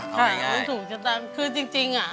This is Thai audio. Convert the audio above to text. ค่ะมันถูกชะตาคือจริงอ่ะ